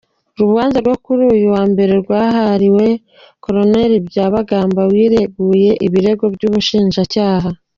Urubanza rwo kuri uyu wambere rwahariwe Colonel Byabagamba wireguye ibirego by’Ubushinjacyaha.